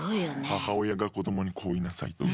母親が子供にこう言いなさいとか。